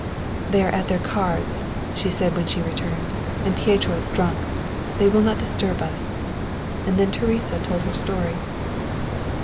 "They are at their cards," she said, when she returned, "and Pieto is drunk; they will not disturb us," and then Teresa told her story.